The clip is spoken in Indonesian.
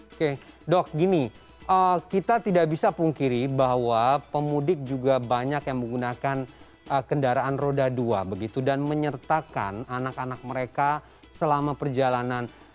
oke dok gini kita tidak bisa pungkiri bahwa pemudik juga banyak yang menggunakan kendaraan roda dua begitu dan menyertakan anak anak mereka selama perjalanan